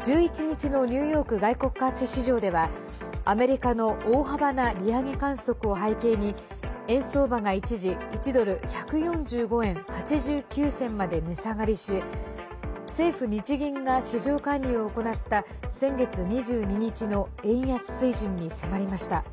１１日のニューヨーク外国為替市場ではアメリカの大幅な利上げ観測を背景に円相場が一時１ドル＝１４５円８９銭まで値下がりし政府・日銀が市場介入を行った先月２２日の円安水準に迫りました。